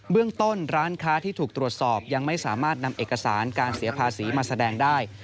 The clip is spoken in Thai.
เรื่องต้นร้านค้าที่ถูกตรวจสอบยังไม่สามารถนำเอกสารการเสียภาษีมาแสดงได้